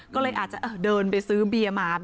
ขอบคุณพี่ที่ข่วยลูก